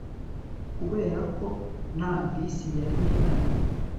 kubera ko nta bisi yari ihari